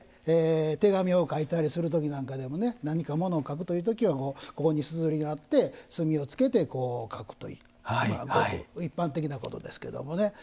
手紙を書いたりするときなんかものを書くときにはここにすずりがあって墨をつけて書くという一般的なことですけども。